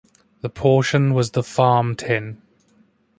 The portion was the "farm tin".